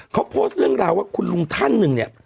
เขาโพสต์เรื่องราวว่าคุณลุงท่านหนึ่งเนี่ย